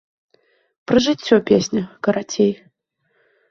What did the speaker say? Пра жыццё песня, карацей!